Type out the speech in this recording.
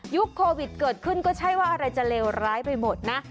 โควิดเกิดขึ้นก็ใช่ว่าอะไรจะเลวร้ายไปหมดนะ